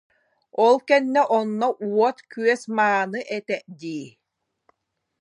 Ол кэннэ онно уот-күөс мааны этэ дии